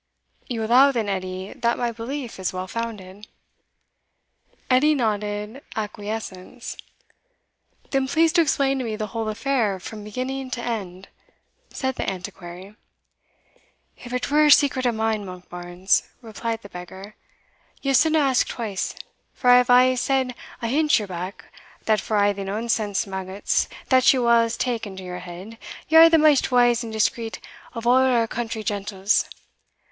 "You allow, then, Edie, that my belief is well founded?" Edie nodded acquiescence. "Then please to explain to me the whole affair from beginning to end," said the Antiquary. "If it were a secret o' mine, Monkbarns," replied the beggar, "ye suldna ask twice; for I hae aye said ahint your back, that for a' the nonsense maggots that ye whiles take into your head, ye are the maist wise and discreet o' a' our country gentles.